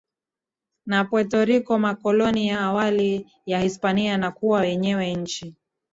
na Puerto Rico makoloni ya awali ya Hispania na kuwa yenyewe nchi